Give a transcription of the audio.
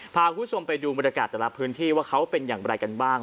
พาคุณผู้ชมไปดูบรรยากาศแต่ละพื้นที่ว่าเขาเป็นอย่างไรกันบ้าง